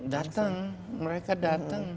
datang mereka datang